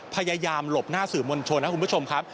พยายามหลบหน้าสื่อมวลชนนะคุณผู้ชมครับ